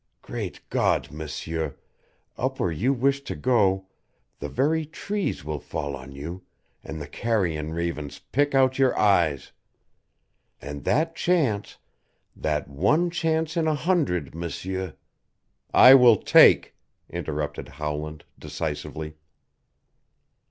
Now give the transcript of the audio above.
Great God, M'seur, up where you wish to go the very trees will fall on you and the carrion ravens pick, out your eyes! And that chance that one chance in a hundred, M'seur " "I will take," interrupted Howland decisively.